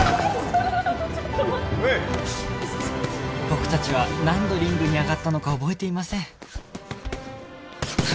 僕たちは何度リングに上がったのか覚えていません